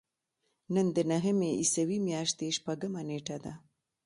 نن د نهمې عیسوي میاشتې شپږمه نېټه ده.